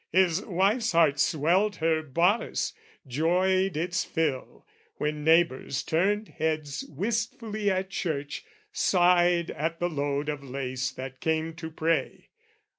His wife's heart swelled her boddice, joyed its fill When neighbours turned heads wistfully at church, Sighed at the load of lace that came to pray.